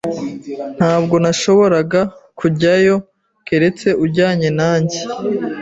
Ntabwo nashoboraga kujyayo keretse ujyanye nanjye.